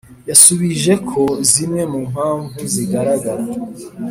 yasubijeko zimwe mu mpamvu zigaragara